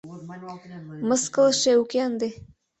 Мыскылыше уке ынде